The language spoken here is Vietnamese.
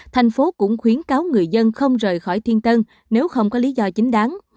thành phố cũng khuyến cáo người dân không rời khỏi thiên tân nếu không có lý do chính đáng